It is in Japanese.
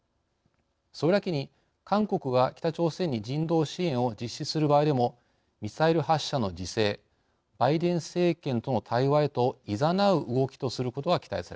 それだけに韓国が北朝鮮に人道支援を実施する場合でもミサイル発射の自制バイデン政権との対話へといざなう動きとすることが期待されます。